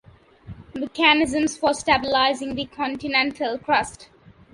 Mechanisms for stabilizing the continental crust.